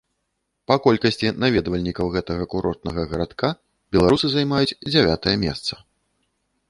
Па колькасці наведвальнікаў гэтага курортнага гарадка беларусы займаюць дзявятае месца.